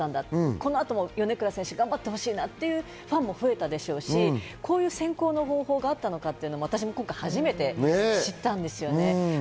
この後も米倉選手頑張ってほしいなっていうファンも増えたでしょうし、こういう選考の方法があったのかというのを私も今回初めて知ったんです。